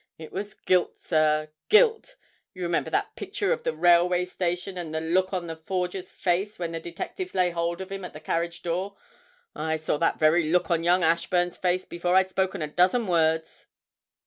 It was guilt, sir, guilt. You remember that picture of the Railway Station, and the look on the forger's face when the detectives lay hold of him at the carriage door? I saw that very look on young Ashburn's face before I'd spoken a dozen words.'